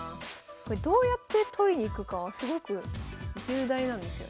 これどうやって取りに行くかはすごく重大なんですよ。